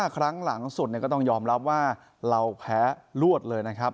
ครั้งหลังสุดก็ต้องยอมรับว่าเราแพ้รวดเลยนะครับ